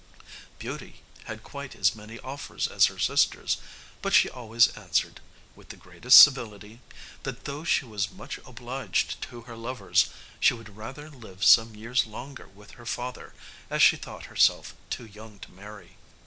Beauty had quite as many offers as her sisters, but she always answered, with the greatest civility, that though she was much obliged to her lovers, she would rather live some years longer with her father, as she thought herself too young to marry.